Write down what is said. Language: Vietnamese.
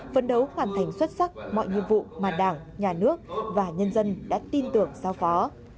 phấn đấu hoàn thành xuất sắc mọi nhiệm vụ mà đảng nhà nước và nhân dân đã tin tưởng giao phó